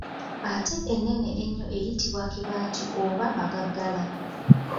Ate ennene ennyo eyitibwa kibaati oba magagala.